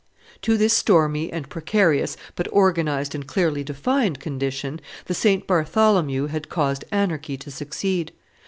To this stormy and precarious, but organized and clearly defined condition, the St. Bartholomew had caused anarchy to succeed.